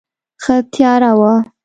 ښه تیاره وه.